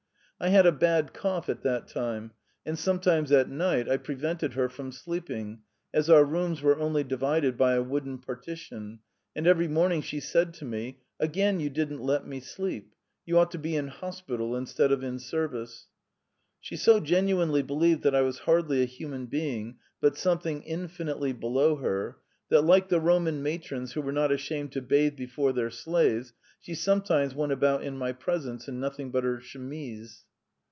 I had a bad cough at that time, and sometimes at night I prevented her from sleeping, as our rooms were only divided by a wooden partition, and every morning she said to me: "Again you didn't let me sleep. You ought to be in hospital instead of in service." She so genuinely believed that I was hardly a human being, but something infinitely below her, that, like the Roman matrons who were not ashamed to bathe before their slaves, she sometimes went about in my presence in nothing but her chemise.